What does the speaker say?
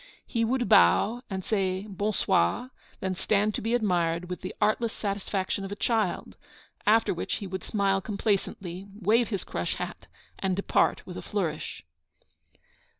He would bow and say 'Bon soir,' then stand to be admired, with the artless satisfaction of a child; after which he would smile complacently, wave his crush hat, and depart with a flourish.